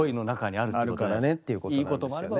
あるからねっていうことなんですよね。